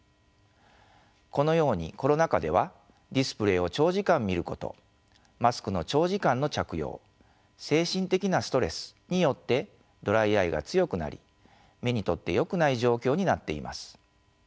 このようにコロナ禍ではディスプレイを長時間見ることマスクの長時間の着用精神的なストレスによってドライアイが強くなり目にとってよくない状況になっています。